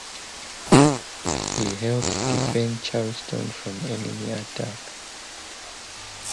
He helped defend Charleston from enemy attack.